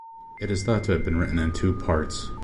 It is thought to have been written in two parts.